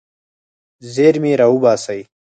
زیرمې راوباسئ.